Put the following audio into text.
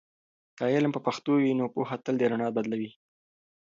که علم په پښتو وي، نو پوهه تل د رڼا بدلوي.